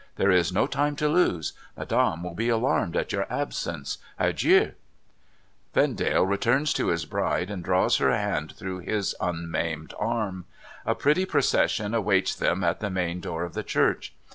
There is no time to lose. Madame will be alarmed by your absence. Adieu !' Vendale returns to his bride, and draws her hand through his unmaimed arm. A pretty procession aw^aits them at the main door of the church.